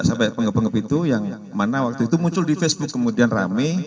sampai pengepung ngepitu yang mana waktu itu muncul di facebook kemudian rame